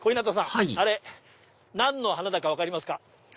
はい何の花だか分かりますか？